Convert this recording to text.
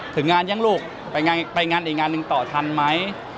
ถึงงานยังลูกไปงานอีกงานหนึ่งต่อทันไหม